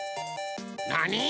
なに？